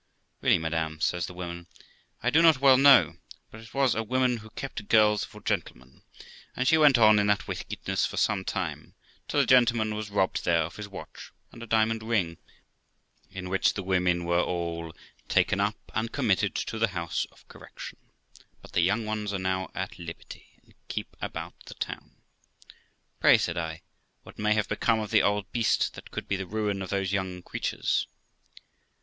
'Really, madam', says the woman, 'I do not well know; but it was a woman who kept girls for gentlemen ; she went on in that wickedness for some time, till a gentleman was robbed there of his watch and a diamond THE LIFE OF ROXANA 425 ring, on which the women were all taken up, and committed to the house of correction ; but the young ones are now at liberty, and keep about the town.' 'Pray', said I, 'what may have become of the old beast that could be the ruin of those young creatures